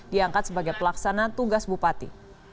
diangkat sebagai pelaksana tugas bupati